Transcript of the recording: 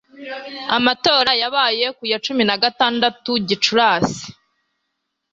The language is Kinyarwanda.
Amatora yabaye ku ya cumi na gatandatu Gicurasi.